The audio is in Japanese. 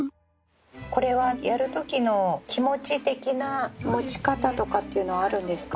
これはやるときの気持ち的な持ち方とかっていうのはあるんですか？